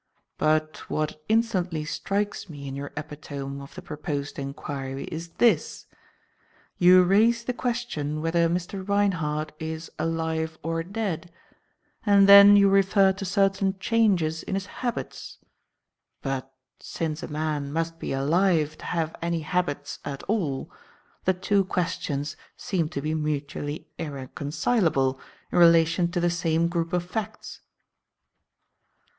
But what instantly strikes me in your epitome of the proposed inquiry is this: you raise the question whether Mr. Reinhardt is alive or dead, and then you refer to certain changes in his habits; but, since a man must be alive to have any habits at all, the two questions seem to be mutually irreconcilable in relation to the same group of facts."